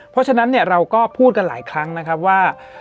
เพราะฉะนั้นเราก็พูดกันหลายครั้งนะครับว่า